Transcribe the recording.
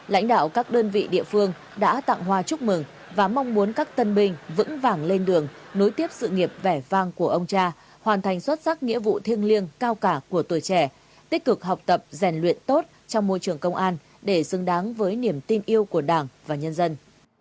lãnh đạo các đơn vị địa phương đã tặng hoa chúc mừng và mong muốn các tân binh vững vàng lên đường nối tiếp sự nghiệp vẻ vang của ông cha hoàn thành xuất sắc nghĩa vụ thiêng liêng cao cả của tuổi trẻ tích cực học tập rèn luyện tốt trong môi trường công an để xứng đáng với niềm tin yêu của đảng và nhân dân